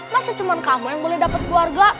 masa cuma kamu yang boleh dapat keluarga